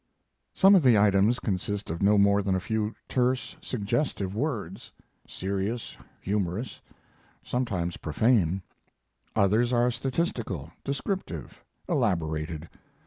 Some of the items consist of no more than a few terse, suggestive words serious, humorous, sometimes profane. Others are statistical, descriptive, elaborated.